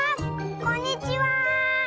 こんにちは！